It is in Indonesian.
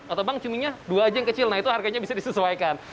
atau bank cuminya dua aja yang kecil nah itu harganya bisa disesuaikan